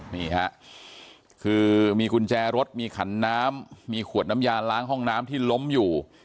นี่ฮะคือมีกุญแจรถมีขันน้ำมีขวดน้ำยาล้างห้องน้ำที่ล้มอยู่